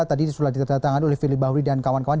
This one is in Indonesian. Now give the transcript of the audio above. tadi sudah ditandatangani oleh fili bahuri dan kawan kawan